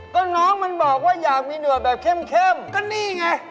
ก็น้องมันบอกว่าอยากมีหนวดแบบเข้มก็นี่ไง